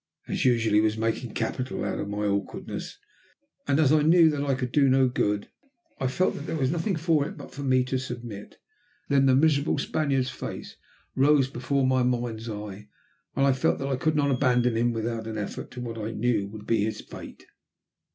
As usual he was making capital out of my awkwardness, and as I knew that I could do no good, I felt that there was nothing for it but for me to submit. Then the miserable Spaniard's face rose before my mind's eye, and I felt that I could not abandon him, without an effort, to what I knew would be his fate.